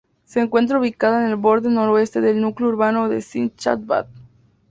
Se encuentra ubicada en el borde noroeste del núcleo urbano de Schinznach-Bad.